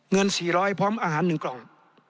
เงิน๔๐๐พร้อมอาหาร๑กล่อง